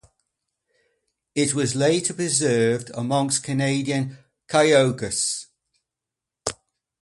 It was later preserved amongst Canadian Cayugas.